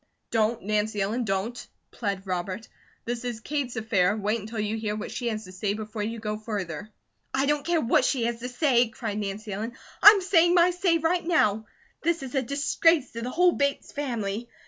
"Don't, Nancy Ellen, don't!" plead Robert. "This is Kate's affair, wait until you hear what she has to say before you go further." "I don't care what she has to say!" cried Nancy Ellen. "I'm saying my say right now. This is a disgrace to the whole Bates family.